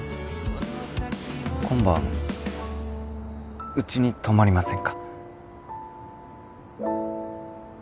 今晩うちに泊まりませんか？